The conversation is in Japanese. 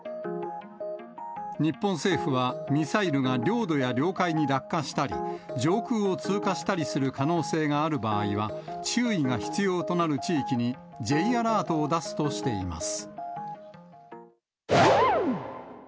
日本政府は、ミサイルが領土や領海に落下したり、上空を通過したりする可能性がある場合は、注意が必要となる地域にＪアラートを出すとしています。